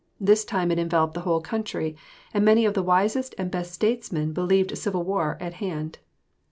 This time it enveloped the whole country, and many of the wisest and best statesmen believed civil war at hand.